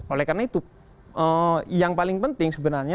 oleh karena itu yang paling penting sebenarnya